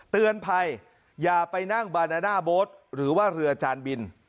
เตือนภัยอย่าไปนั่งบานาน่าโบ๊ทหรือว่าเรือจานบิน